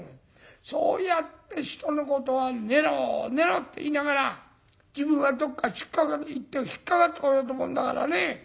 そうやって人のことは寝ろ寝ろって言いながら自分はどっか行って引っ掛かってこようと思うんだからね。